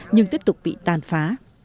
nhưng tiếp tục bị tan phá